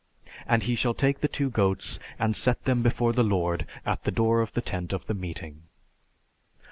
And he shall take the two goats and set them before the Lord at the door of the tent of the meeting."